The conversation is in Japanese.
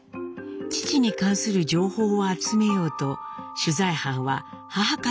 父に関する情報を集めようと取材班は母方の親戚へ連絡。